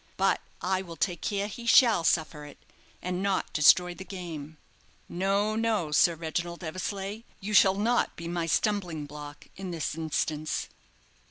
But I will take care he shall suffer it, and not destroy the game. "No, no, Sir Reginald Eversleigh, you shall not be my stumbling block in this instance.